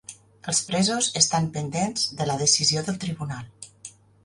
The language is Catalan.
Els presos estan pendents de la decisió del tribunal